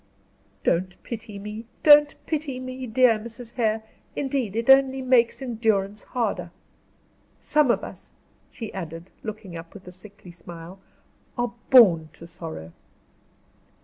"Don't pity me! Don't pity me dear Mrs. Hare! Indeed, it only makes endurance harder. Some of us," she added, looking up, with a sickly smile, "are born to sorrow."